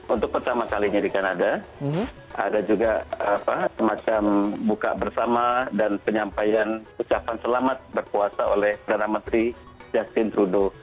untuk pertama kalinya di kanada ada juga semacam buka bersama dan penyampaian ucapan selamat berpuasa oleh perdana menteri justin trudeau